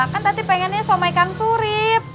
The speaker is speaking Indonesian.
kan tadi pengennya sama kang surip